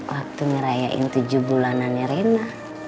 waktu ngerayain tujuh bulanannya rina